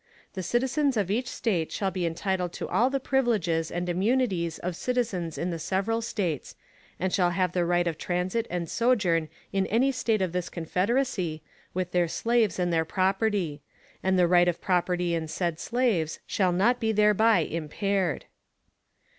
The citizens of each State shall be entitled to all the privileges and immunities of citizens in the several States, _and shall have the right of transit and sojourn in any State of this Confederacy, with their slaves and other property; and the right of property in said slaves shall not be thereby impaired_.